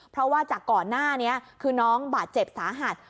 เพราะว่าจากก่อนหน้านี้คือน้องบาดเจ็บสาหัส